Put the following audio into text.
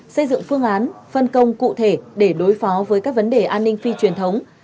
xây dựng phương án phân công cụ thể để đối phó với các vấn đề an ninh phi truyền thống